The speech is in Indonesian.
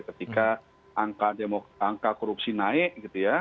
ketika angka demokrasi angka korupsi naik gitu ya